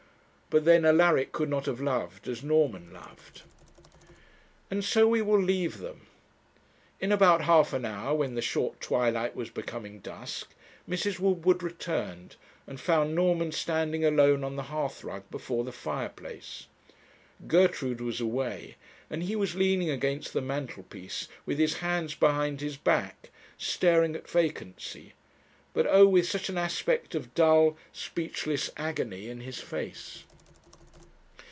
But then Alaric could not have loved as Norman loved. And so we will leave them. In about half an hour, when the short twilight was becoming dusk, Mrs. Woodward returned, and found Norman standing alone on the hearthrug before the fireplace. Gertrude was away, and he was leaning against the mantelpiece, with his hands behind his back, staring at vacancy; but oh! with such an aspect of dull, speechless agony in his face.